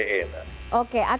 oke akan ditindak